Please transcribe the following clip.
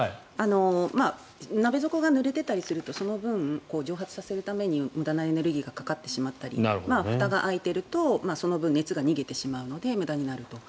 鍋底がぬれていたりするとその分、蒸発させるために無駄なエネルギーがかかってしまったりふたが開いているとその分、熱が逃げてしまうので無駄になると。